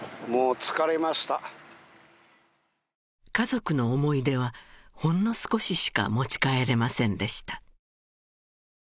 家族の思い出はほんの少ししか持ち帰れませんでした